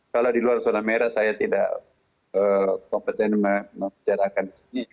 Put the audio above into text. kalau di luar zona merah saya tidak kompeten menjarakannya